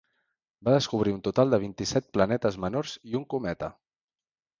Va descobrir un total de vint-i-set planetes menors i un cometa.